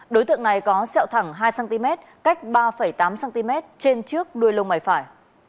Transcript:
đối tượng này có xẹo thẳng hai cm cách ba tám cm trên trước đuôi lông mảy phải